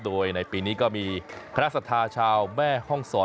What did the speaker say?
โดยในปีนี้ก็มีคณะศรัทธาชาวแม่ห้องศร